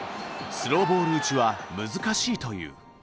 スローボール打ちは難しいという。